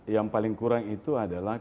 yang paling kurang itu adalah